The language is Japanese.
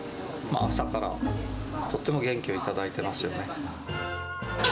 朝からとっても元気を頂いてますよね。